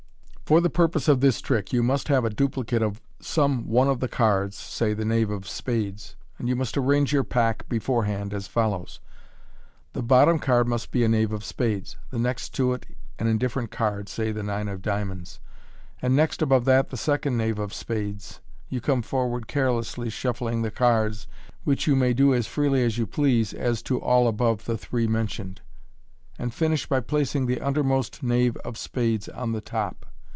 — For the purpose of this trick you must have a duplicate of some one of the cards, say the knave of spades, and you must arrange your pack beforehand as follows : rhe bottom card must be a knave of spades ; the next to it an indifferent card, say the nine of diamonds: and next above that, the second knave of spades. You come forward carelessly shuffling the cards (which you may do as freely as you please as to all above the three mentioned), and finish by placing the undermost knave of spades on the top.